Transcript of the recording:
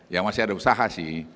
ya masih ada usaha sih